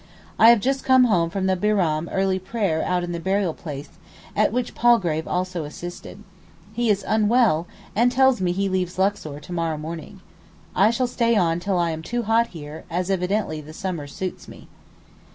I have just come home from the Bairam early prayer out in the burial place, at which Palgrave also assisted. He is unwell, and tells me he leaves Luxor to morrow morning. I shall stay on till I am too hot here, as evidently the summer suits me.